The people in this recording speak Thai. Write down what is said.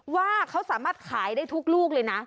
ว่าเขาสามารถขายได้ทุกลูกเลยนะ